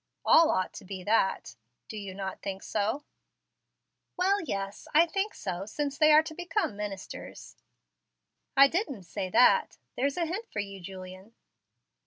"All ought to be that; do you not think so?" "Well, yes, I think so, since they are to become ministers." "But not otherwise?" "I didn't say that. There's a hint for you, Julian."